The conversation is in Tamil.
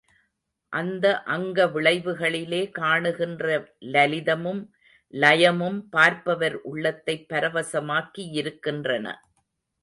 அந்த அங்க விளைவுகளிலே காணுகின்ற லலிதமும் லயமும் பார்ப்பவர் உள்ளத்தை பரவசமாக்கியிருக்கின்றன.